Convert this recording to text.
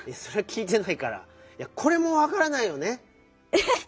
えっ？